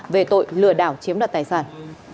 về tội lừa đảo chiếm đoạt tài sản